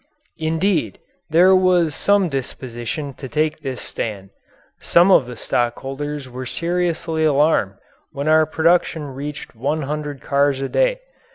Indeed, there was some disposition to take this stand. Some of the stockholders were seriously alarmed when our production reached one hundred cars a day.